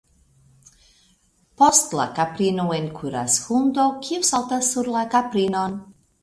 Post la kaprino enkuras hundo, kiu saltas sur la kaprinon.